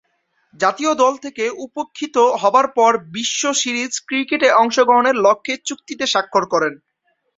জাতীয় দল থেকে উপেক্ষিত হবার পর বিশ্ব সিরিজ ক্রিকেটে অংশগ্রহণের লক্ষ্যে চুক্তিতে স্বাক্ষর করেন।